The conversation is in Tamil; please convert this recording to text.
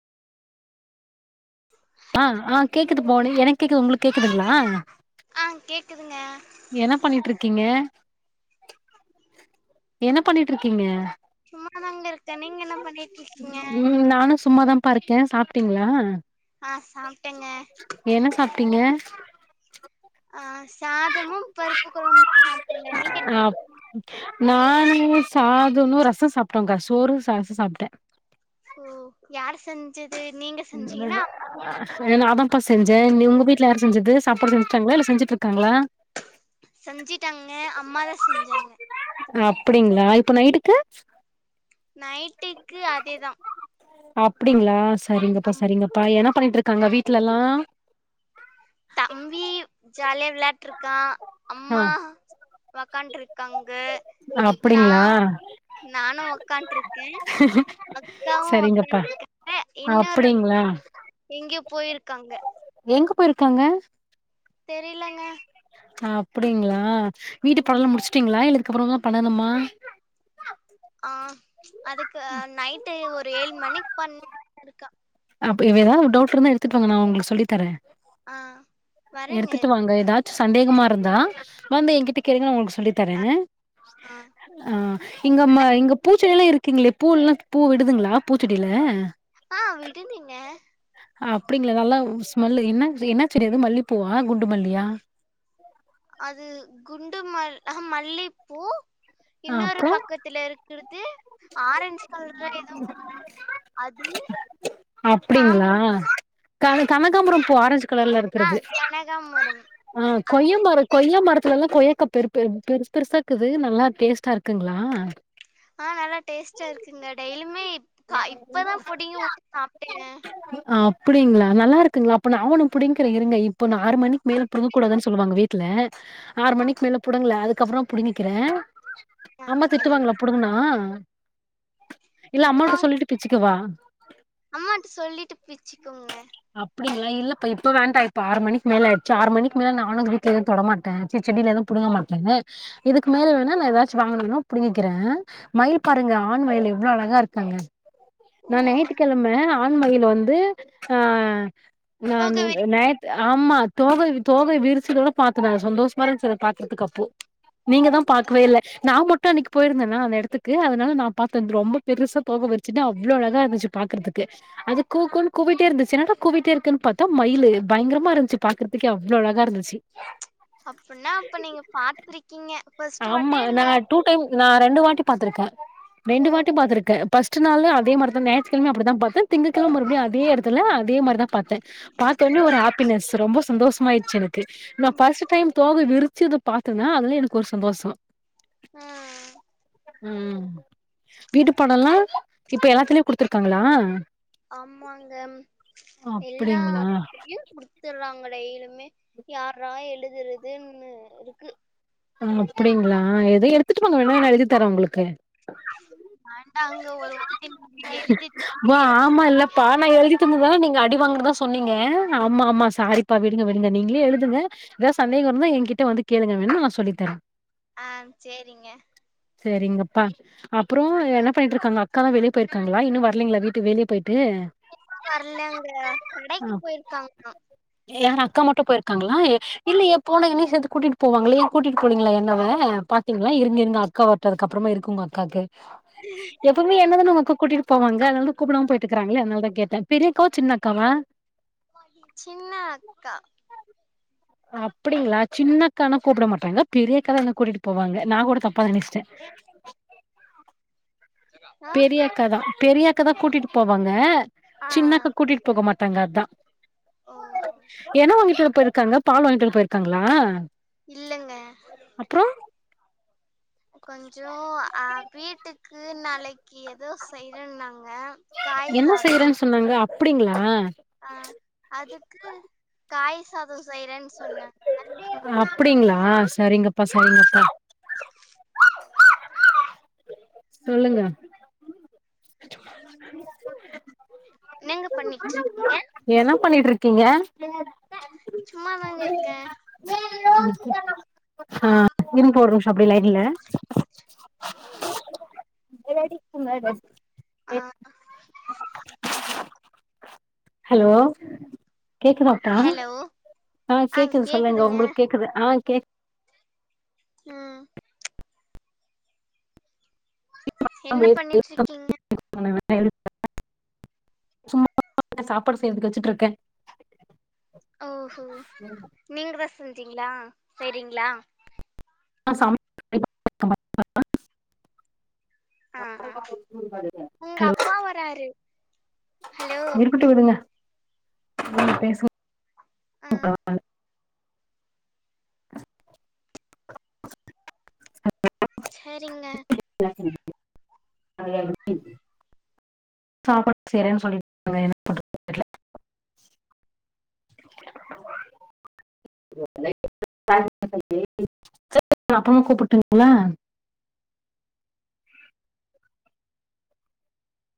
ஆஹ் ஆஹ் கேக்குது [unintelligible] எனக் கேக்குது உங்களுக்கு கேக்குதுங்களா ஆஹ் கேக்குதுங்க என்ன பண்ணிட்ருக்கீங்க என்ன பண்ணிட்ருக்கீங்க சும்மாதாங்க இருக்கே நீங்க என்ன பண்ணிட்டு இருக்கீங்க பா இருக்கே சாப்ட்டீங்களா ஆ சாப்ட்டேங்க என்ன சாப்ட்டீங்க ஆ சாதமு பருப்பு கொழம்பும் சாப்ட்டேங்க நீங்க ஆ என்ன சாப் நானு சாதனு ரசம் சாப்ட்டோகா சோறு சாசும் சாப்ட்டே ஓ யார் செஞ்சது நீங்க செஞ்சீங்களா அம்மா ஏன்னா அதான் பஸ் செஞ்சே நீ உங்க வீட்ல யாரு செஞ்சது சாப்பாடு செஞ்சுட்டாங்களா இல்ல செஞ்சட்டு இருக்காங்களா செஞ்சுட்டாங்க அம்மாதா செஞ்சாங்க அப்படிங்களா இப்ப நைட்டுக்கு நைட்டுக்கு அதேதா அப்டிங்களா செரிங்கப்பா ஆமா செரிங்கப்பா ஏனா ன்ன பண்ணிட்டு இருக்காங்க வீட்லலாம் தம்பி ஜாலியா விளையாட்டு இருக்கான் ஆ அம்மா வக்கான்ட் இருக்காங் அப்டிங்களா கன்ட்ரு கேன் அக்காவும் சரிங்கப்பா வக்காந்துருக்காங்க இன்னொரு அப்டிங்களா அக்கா எங்கயோ போயிருக்காங்க எங்க போயிருக்காங்க தெரிலங்க அப்டிங்களா வீட்டு பாடலா முடிச்சுட்டீங்களா இல்ல அப்பறோதா பண்ணணுமா ஆ அதுக்கு நைட்டு ஒரு ஏழு மணி பண்ண இருக்க அப்ப எதாவுது டவுட் இருந்தா எடுத்துட்டு வாங்க நான் உங்களுக்கு சொல்லி தரேன் ஆ வரேங்க எடுத்துட்டு வாங்க ஏதா சந்தேகமா இருந்தா வந்து என்கிட்ட கேளுங்க நான் உங்களுக்கு சொ சொல்லி ஆ தரேன் ஆ ஆஹ் இங்க நல்லா ம இங்க பூச்ச கேக்குறீங்க. எல்லாம் இருக்கிங்களே பூல்லாம் பூ விடுதுங்களா பூச்செடில ஆஹ் விடுதுங்க அப்டிங்களா நல்லா ஸ்மெல் என்ன என்ன செடி இது மல்லிப்பூவா குண்டு மல்லியா அது குண்டு மல் மல்லிப்பூ ஆ இன்னொரு அப்றோ பக்கத்துல இருக்றது ஆரஞ்ச் கலர் இதோ அது அப்டிங்களா சாமந்தி க கனகாபுரம் பூ ஆரஞ்ச் கலர்ல்ல ஆ இருக்கிறது கனகாமரம் ஆ அது கொய்ய மரம் கொய் கொய்யா மரத்துலல்லா கொய்யக்கா பெரு பெரு பெருசு பெருசயிறுக்குது நல்லா டேஸ்ட்டா இருக்குங்களா ஆ நல்லா டேஸ்டா இருக்குங்க டெய்லிமே ஆ இப்பதா புடிங்கி ஒன் சாப்ட்டங்க அப்படிங்களா நல்லா இருக்குங்களா அப்ப நா ஒன்னு புடிங்கிற இருங்க‌ இப்ப ஆறு மணிக்கு மேல புடுங்கக்கூடாதுன்னு சொல்லுவாங்க வீட்டுல ஆறு மணிக்கு மேல புடுங்கள அதுக்கப்பற புடிங்க்கிறே ஆ அம்மா திட்டுவாங்களா சரிங்க புடுங்கனா இல்ல அம்மாட்ட திட்டுவாங்க சொல்லிட்டு பிச்சுக்குவா அம்மாட்ட சொல்லிட்டு பிச்சுக்கோங்க அப்படிங்கள இல்ல இப்ப வேண்டா இப்ப ஆறு மணிக்கு மேல ஆய்டுச்சு ஆறு மிக்கு மேல நானு வீட்ல எது தொடமாட்ட சி செடியில எதவு புடுங்க மாட்டனே இதுக்கு ஆ மேல வேணா நா எதா வாங்கனும்ன புடிங்கிக்கிறேன் மயில் பாருங்க ஆண் மயில் எவ்ளோ அழகாருங்கங்க ஓ நா அம்மா நேயித்துக்கெழம ஆண் மயில் வ வந்து ஆஹ் போக நான்னு நேத் ஆமா தோக வி தோகை விரிச்சதோட பாத்த நா சந்தோஷமா இருஞ்சி அத பாக்றதுக்கு அப்போ நீங்க தா வரைக்கும் பாக்கவேல்ல நா மட்டு அன்னைக்கு போயிருந்தனா அந்த எத்துக்கு அதனால நா பாத்தே ரொம்ப பெருசா தோக விரி சிட்டு அவ்ளோ அழகா இருந்துச்சு பாக்றதுக்கு அது கூ கூ ன்னு குவ்விட்டே இருந்துச்சு என்னடா குவ்விட்டே இருக்குன்னு பாத்தா மயிலு பய்ங்ரமா இருந்துச்சு பாக்றதுக்கே அவ்ளோ அழகா இருந்துச்சு அப்பன்னா அப்ப நீங்க பாத்ரிக்கீங்க ஆமா நா டூ டைம் நா ரெண்டு வாட்டி பாத்ருக்கே ஓ ரெண்டு வாட்டி பாத்ருக்கே பஸ்ட்டு நாளு அதே மாரிதா ஞாயிற்று கெழம அப்டிதா பாத்தே திங்க கெழம மறுபடியு அதே எடத்துல அதே மாரிதா பாத்தே பதொட்னே ஒரு ஹாப்பினஸ் ரொம்ப சந்தோஷ் சந்தோஷமாயிருச் எனக் நா பர்ஸ்ட்டு டைம் தோக விறுச் ச்சுது பாத்தன அதுலே எனக் ஒரு சந்தோஷோ ஆஹ் உம் வீட்டுபாடல்லா இப்ப எல்லாத்துலயு குடுத்துருக்காங்களா ஆமாங்க அப்டிங்களா எல்லாத்தையு குடுத்துடுறாங்க டெயிலுமே யார்ரா எழுதுறதுன்னு இருக்கு ஆஹ அப்டிங்ளா எத எடுத்துட்டு வாங்க வேண நா எழுதி தரே உங்ளுக்கு வேண்டாங்க ஒரு வாட்டி நீங்க எழுதி [inaudible] பா நா எழுதந்துதான நீங்க அடிவாங்குநதா சொன்னீங்க ஆமா ஆமா சாரிப்பா விடுங்க விடுங்க நீங்ளே எழுதுங்க ஏதா சந்தேக இருந்தா என்கிட்ட வந்து கேளுங்க வேணுனா நா சொல்லித்தரே ஆஹ் சேரிங்க செரிங்கப்பா அப்றோ எனப் பண்ணிட்ருக்காங்க அக்கால வெளிய பொயிருக்காங்களா இன்னு வர்லிங்ல வீட்டுக்கு வெளிய பொய் இன்னும் வரலங்க ஆ கடைக்கு போய்ருக்காங்காலா யாரு அக்கா மட்டு பொயிருக்காங்களா இல்லையே போன என்னையு சேத்து கூட்டிட்டு போவாங்ளே ஏ கூட்டிட்டு போலீங்ளா என்ன அவ பாத்தீங்களா இருங்க இருங்க அக்கா வர்ட்டு அதுக்கு அப்றமா இருக்கு உங்க அக்காக்கு எப்பவுமே என்னதானா உங்க அக்கா கூட்டிட்டு போவாங்க அதனாலதா கூப்டாம போய்ட்ருக்காங்ளே அதனாலதா கேட்டே பெரியக்காவா சின்னக்காவா சின்ன அக்கா அப்டிங்களா சின்னக்கானா கூப்டமாட்டாங்க பெரியக்காதா என்ன கூட்டிட்டு போவாங்க நா கூட தப்பா நெனச்டே ஆ பெரிய அக்காதா பெரியக் கா தா கூட்டிட்டு போவாங்க ஆ சின்னாக்கா கூட்டிட்டு போக மாட் தங்க அதா ஓஹோ என்ன வாங்கிட் வர போய்ருக்காங்க பால் வாங்கிட்டு வர போய்ருக்காங்களா இல்லங்க கொஞ்சோ அஹ் வீட்டுக்கு நாளைக் ஏதோ செய்றன்னாங்க காய் என்ன சாத செய்றேன்னு சொன்னாங்க அப்டிங்களா ஆஹ் அதுக்கு காய் சாதோ செய்றேன்னு சொன்னாங்க அப்டிங்களா சரிங்க அப்ப சரிங்கப்பா சொல்லுங்க என்னங்க பண்ணிட்டு இருக்கீங்க ஏனா பண்ணிட்டு இருக்கீங்க சும்மாதாங்க இருக்கே ஆஹ் [unintelligible] போட்ற அப்டே லைன்ல [inaudible] ஆஹ் ஹலோ கேக்குதாப்பா ஹலோ ஆஹ் ஆ கேக்குது சொல்லுங்க கேக்குதுங்க உங்களுக்கு கேக்குது ஆஹ் கேக் உம் என்ன பண்ணிட்டுருக்கிங்க [inaudible] சாப்பாடு செய்றதுக்கு வச்சுட்டுருக்க ஓஹோ நீங்க ஃபஸ் செஞ்சீங்களா செய்ரிங்களா [inaudible] ஆ ஆ உங்க ஹலோ அப்பா வராரு ஹலோ இருக்கட்டு விடுங்க பேச [inaudible] ஆ [inaudible] சரிங்க [inaudible] [inaudible] அப்பறமா கூப்பட்டுங்களா